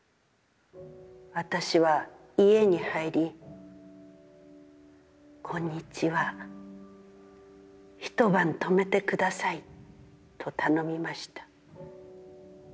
私は家に入り、『こんにちは、一晩泊めてください』と頼みました。